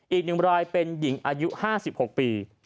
อีก๑รายเป็นหญิงอายุ๕๖ปี